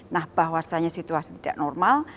nah bahwasanya situasi tidak normal